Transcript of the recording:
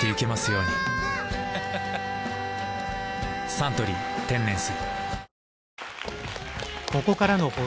「サントリー天然水」